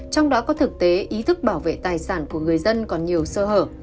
trong đó có thực tế ý thức bảo vệ tài sản của người dân còn nhiều sơ hở